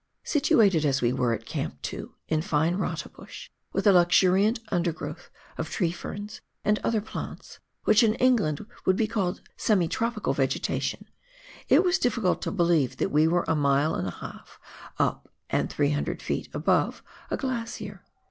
Situated as we were at Camp 2, in fine rata bush, with a luxuriant undergrowth of tree ferns and other plants — which in England would be called semi tropical vegetation, — it was difficult to believe that we were a mile and a half up and 300 ft. above a glacier.